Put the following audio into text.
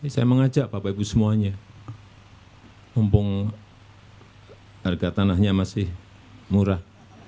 saya mengajak bapak ibu semuanya mumpung harga tanahnya masih murah